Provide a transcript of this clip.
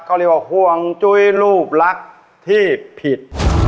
เขาเรียกว่าห่วงจุ้ยรูปลักษณ์ที่ผิด